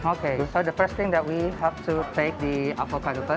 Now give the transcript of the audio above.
oke jadi pertama kita harus membuat guacamole dulu